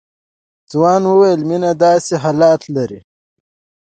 ځوان وويل مينه داسې حالات لري.